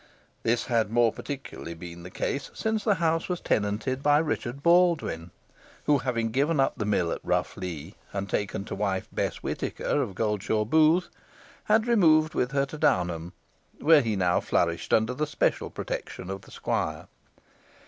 This had more particularly been the case since the house was tenanted by Richard Baldwyn, who having given up the mill at Rough Lee, and taken to wife Bess Whitaker of Goldshaw Booth, had removed with her to Downham, where he now flourished under the special protection of the squire.